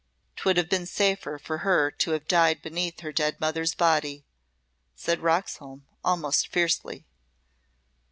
"'Twould have been safer for her to have died beneath her dead mother's body," said Roxholm, almost fiercely.